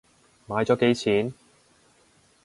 買咗幾錢？